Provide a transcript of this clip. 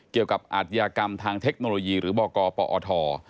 เกี่ยวกับอาธิกรรมทางเทคโนโลยีหรือบกปอท